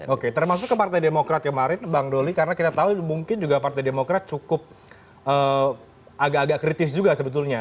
oke termasuk ke partai demokrat kemarin bang doli karena kita tahu mungkin juga partai demokrat cukup agak agak kritis juga sebetulnya